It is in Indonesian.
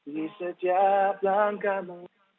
di setiap langkahmu